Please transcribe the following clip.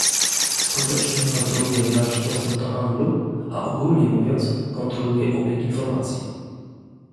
Skutecznie kontroluje nasz dostęp do handlu, a ogólnie mówiąc, kontroluje obieg informacji